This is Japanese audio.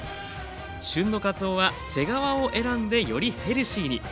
旬のかつおは背側を選んでよりヘルシーに。